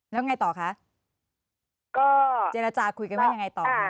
แล้วไงต่อคะเจรจาคุยกันไว้ยังไงต่อ